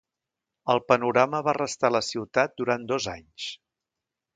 El panorama va restar a la ciutat durant dos anys.